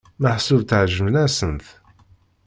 Meḥsub tteɛǧaben-asent?